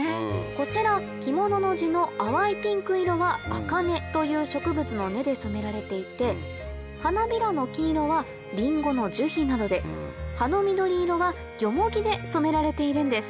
こちら着物の地の淡いピンク色はアカネという植物の根で染められていて花びらの黄色はリンゴの樹皮などで葉の緑色はヨモギで染められているんです。